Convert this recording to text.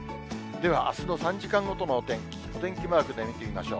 ではあすの３時間ごとのお天気、お天気マークで見てみましょう。